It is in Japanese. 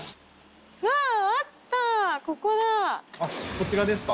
こちらですか。